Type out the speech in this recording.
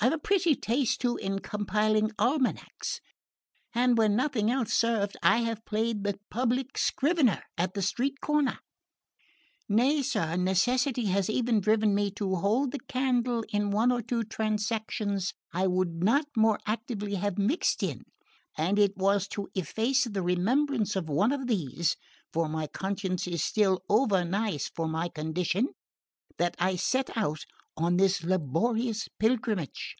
I've a pretty taste, too, in compiling almanacks, and when nothing else served I have played the public scrivener at the street corner; nay, sir, necessity has even driven me to hold the candle in one or two transactions I would not more actively have mixed in; and it was to efface the remembrance of one of these for my conscience is still over nice for my condition that I set out on this laborious pilgrimage."